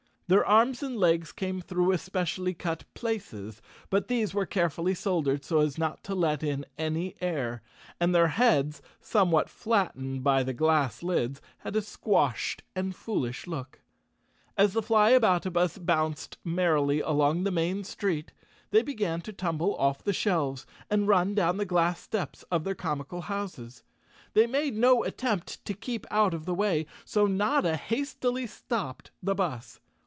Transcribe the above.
Their arms and legs came through especially cut places, but these were carefully soldered so as not to let in any air. And their heads, somewhat flattened by the glass lids, had a squashed and foolish look. As the Flyaboutabus bounced merrily along the main street, they began to tumble off the shelves and run down the glass steps of their comical houses. They made no attempt to keep out of the way, so Notta hastily stopped the bus.